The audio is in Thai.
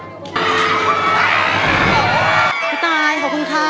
คุณตายขอบคุณค่ะ